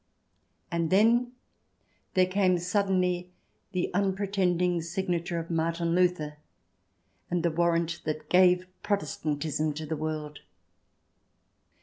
And then there came suddenly the unpretending signature of Martin Luther, and the warrant that gave Protestantism to the world